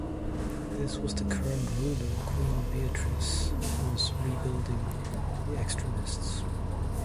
This was when the current ruler, Queen Beatriz, was rebuilding the Extremists.